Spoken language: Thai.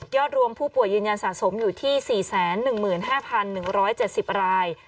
รวมผู้ป่วยยืนยันสะสมอยู่ที่๔๑๕๑๗๐ราย